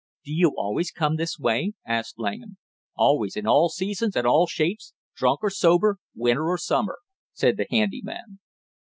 "Do you always come this way?" asked Langham. "Always, in all seasons and all shapes, drunk or sober, winter or summer," said the handy man.